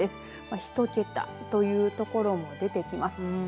１桁という所も出てきます。